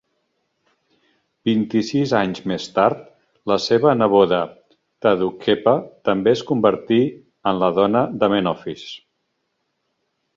Vint-i-sis anys més tard, la seva neboda Tadukhepa també es convertí en la dona d'Amenofis.